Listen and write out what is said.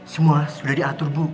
semua sudah diatur bu